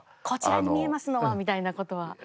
「こちらに見えますのは」みたいなことは。